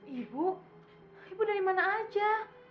ibu ibu dari mana aja